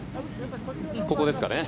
ここですかね。